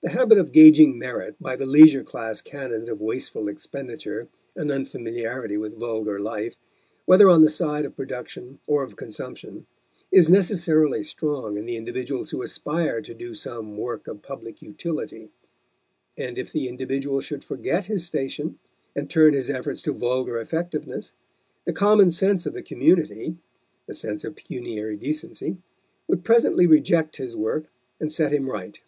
The habit of gauging merit by the leisure class canons of wasteful expenditure and unfamiliarity with vulgar life, whether on the side of production or of consumption, is necessarily strong in the individuals who aspire to do some work of public utility. And if the individual should forget his station and turn his efforts to vulgar effectiveness, the common sense of the community the sense of pecuniary decency would presently reject his work and set him right.